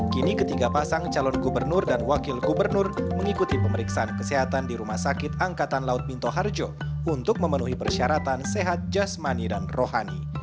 kini ketiga pasang calon gubernur dan wakil gubernur mengikuti pemeriksaan kesehatan di rumah sakit angkatan laut minto harjo untuk memenuhi persyaratan sehat jasmani dan rohani